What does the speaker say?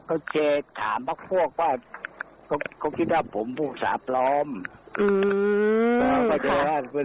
อืมแต่หมายถึงว่าเป็นเหตุการณ์เนี่ย